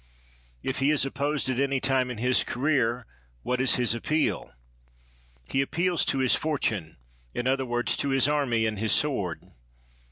If he is opposed at any time in his career, what is his appeal? He appeals to his fortune — in other words, to his army and his sword.